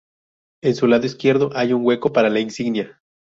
En su lado izquierdo hay un hueco para la insignia.